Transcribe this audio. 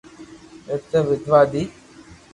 ايني واڌوا دي